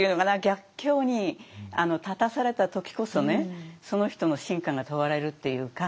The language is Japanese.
逆境に立たされた時こそねその人の真価が問われるっていうか